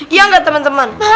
iya enggak teman teman